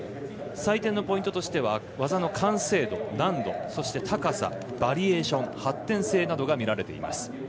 採点のポイントとしては技の完成度、難度そして高さ、バリエーション発展性などが見られています。